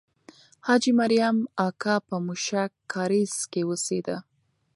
حاجي مریم اکا په موشک کارېز کې اوسېده.